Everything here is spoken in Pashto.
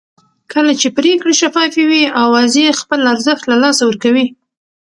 کله چې پرېکړې شفافې وي اوازې خپل ارزښت له لاسه ورکوي